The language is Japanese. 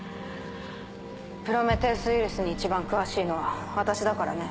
プロメテウス・ウイルスに一番詳しいのは私だからね。